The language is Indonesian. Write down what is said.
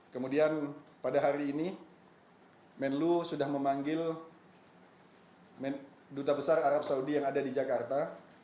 kemudian pada hari ini menlu sudah memanggil duta besar arab saudi yang ada di jakarta